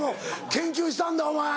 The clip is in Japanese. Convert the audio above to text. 研究したんだお前。